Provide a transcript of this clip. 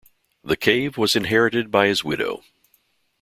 The cave was inherited by his widow.